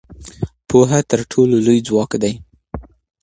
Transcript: پوهه تر ټولو لوی ځواک دی.